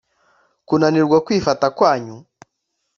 kunanirwa kwifata kwanyu